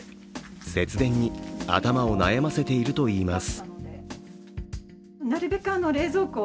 節電に頭を悩ませているといいます。